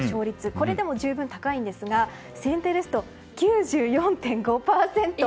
これでも十分高いんですが先手ですと９４．５％。